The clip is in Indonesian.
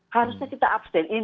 harusnya kita abstain